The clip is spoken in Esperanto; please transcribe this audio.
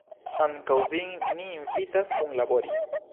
Ankaŭ vin ni invitas kunlabori!